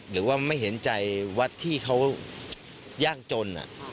หรือว่าไม่เห็นใจวัดที่เขายากจน